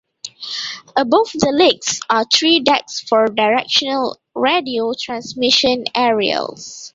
Above the legs are three decks for directional radio transmission aerials.